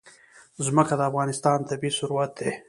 ځمکه د افغانستان طبعي ثروت دی.